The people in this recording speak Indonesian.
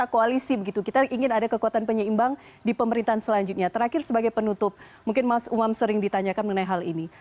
kita ingin ada kekuatan penyeimbang di pemerintahan selanjutnya terakhir sebagai penutup mungkin mas umam sering ditanyakan mengenai hal ini